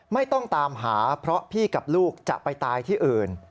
ไม่ต้องตามหาเพราะพี่กับลูกจะไปตายที่อื่น